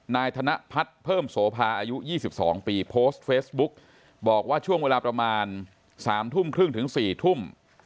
นายธนพัฒน์เพิ่มโสภาอายุ๒๒ปีโพสต์เฟซบุ๊กบอกว่าช่วงเวลาประมาณ๓ทุ่มครึ่งถึง๔ทุ่ม